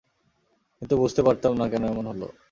কিন্তু বুঝতে পারতাম না, কেন এমন হল।